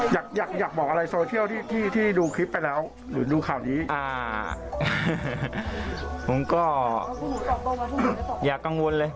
อยากอยากบอกอะไรโซเชียลที่ที่ดูคลิปไปแล้วหรือดูข่าวนี้อ่าผมก็อย่ากังวลเลย